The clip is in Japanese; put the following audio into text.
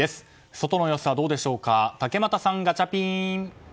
外の様子はどうでしょうか竹俣さん、ガチャピン！